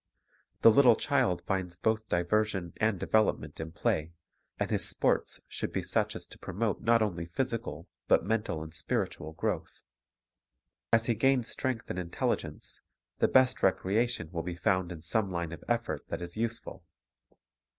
The little child finds both diversion and development in play; and his sports should be such as to promote not only physical but mental and spiritual growth. As he gains strength and intelligence, the best recreation will be found in some line of effort that is useful.